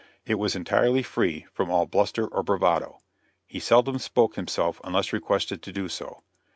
It was entirely free from all bluster or bravado. He seldom spoke himself unless requested to do so.